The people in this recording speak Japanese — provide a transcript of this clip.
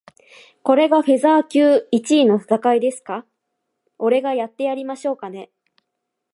これがフェザー級一位の戦いですか？俺がやってやりましょうかね。